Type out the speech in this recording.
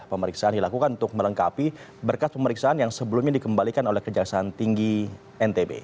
pemeriksaan dilakukan untuk melengkapi berkas pemeriksaan yang sebelumnya dikembalikan oleh kejaksaan tinggi ntb